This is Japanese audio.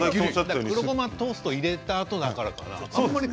黒ごまトーストを食べたあとだからかな？